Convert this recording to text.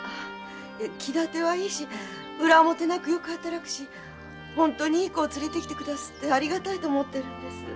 気立てはいいし裏表なくよく働くし本当にいい子を連れてきて下すってありがたいと思っているんです。